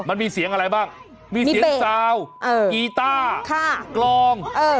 มันมีเสียงอะไรบ้างมีเสียงสาวเอออีตาร์ฆ่ากลองเออ